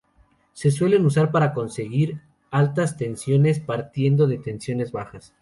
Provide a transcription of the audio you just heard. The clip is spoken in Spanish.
Se suelen usar para conseguir altas tensiones partiendo de tensiones bajas.